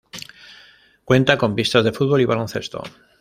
Cuenta con pistas de fútbol y baloncesto.